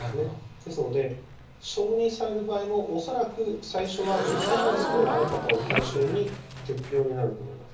ですので、承認される場合も、恐らく、最初は重症化リスクのある方を対象に適用になると思います。